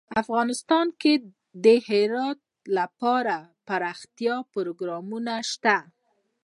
افغانستان کې د هرات لپاره دپرمختیا پروګرامونه شته.